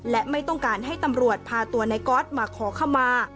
และไม่ต้องการให้ตำรวจพาตัวในก๊อตมาขอขมา